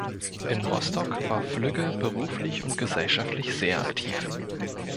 In Rostock war Flügge beruflich und gesellschaftlich sehr aktiv.